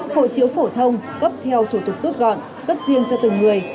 hộ chiếu phổ thông cấp theo thủ tục rút gọn cấp riêng cho từng người